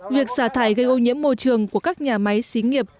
việc xả thải gây ô nhiễm môi trường của các nhà máy xí nghiệp